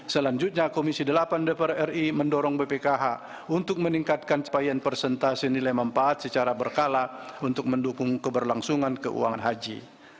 selanjutnya komisi delapan dpr ri mendorong bpkh untuk meningkatkan capaian persentase nilai mempaat secara berkala untuk mendukung keberlangsungan keuangan haji